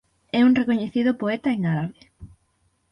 É un recoñecido poeta en árabe.